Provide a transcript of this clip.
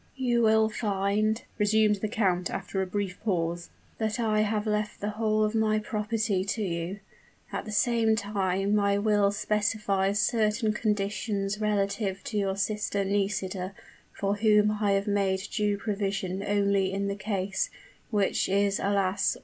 "You will find," resumed the count after a brief pause, "that I have left the whole of my property to you. At the same time my will specifies certain conditions relative to your sister Nisida, for whom I have made due provision only in the case which is, alas!